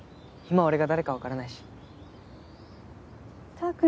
今俺が誰かわからないし。